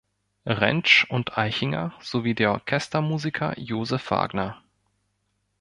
Rentsch und Aichinger sowie der Orchestermusiker Josef Wagner.